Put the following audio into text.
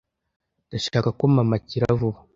Ndashaka ko mama akira vuba.